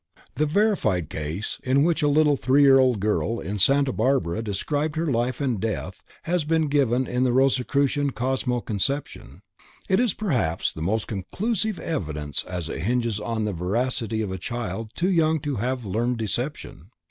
The verified case in which a little three year old girl in Santa Barbara described her life and death has been given in the Rosicrucian Cosmo Conception. It is perhaps the most conclusive evidence as it hinges on the veracity of a child too young to have learned deception.